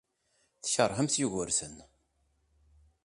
Tkeṛhemt Yugurten.